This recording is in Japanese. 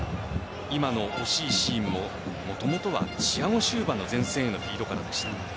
今の惜しいシーンももともとはチアゴ・シウヴァの前線へのフィードでした。